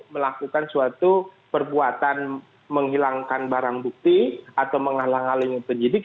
melakukan suatu perbuatan menghilangkan barang bukti atau menghalang halangi penyidik